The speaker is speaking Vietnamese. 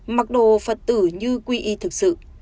mặc đồ phật tử như quy y thực sự